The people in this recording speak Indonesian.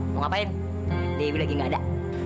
mau ngapain dewi lagi nggak ada